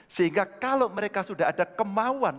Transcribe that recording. sehingga kalau mereka sudah ada kemauan